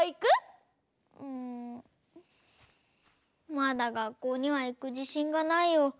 まだがっこうにはいくじしんがないよ。